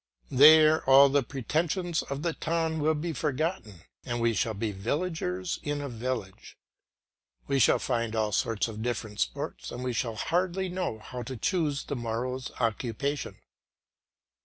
There all the pretensions of the town will be forgotten, and we shall be villagers in a village; we shall find all sorts of different sports and we shall hardly know how to choose the morrow's occupation.